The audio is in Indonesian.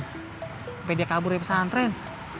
sampai dia kabur di pesantren